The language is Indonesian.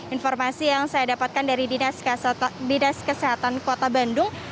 informasi yang saya dapatkan dari dinas kesehatan kota bandung